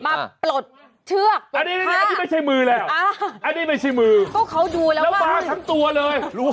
มาปลดเชือกอันนี้ไม่ใช่มือแล้วเกือกเพ้อกับมือเลย